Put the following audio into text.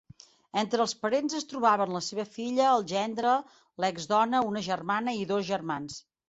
Entre els parents es trobaven la seva filla, el gendre, l'exdona, una germana i dos germans.